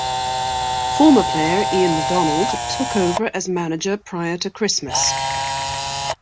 Former player Ian MaDonald took over as manager prior to Christmas.